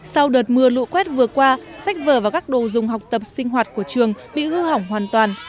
sau đợt mưa lũ quét vừa qua sách vở và các đồ dùng học tập sinh hoạt của trường bị hư hỏng hoàn toàn